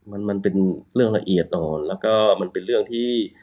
มันมันเป็นเรื่องละเอียดอ่อนแล้วก็มันเป็นเรื่องที่